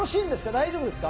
大丈夫ですか？